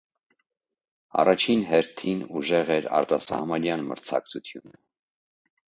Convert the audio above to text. Առաջին հերթին, ուժեղ էր արտասահմանյան մրցակցությունը։